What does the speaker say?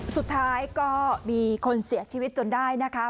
สุดท้ายก็มีคนเสียชีวิตจนได้นะคะ